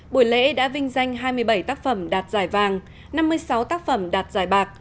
buổi lễ đã vinh danh hai mươi bảy tác phẩm đạt giải vàng năm mươi sáu tác phẩm đạt giải bạc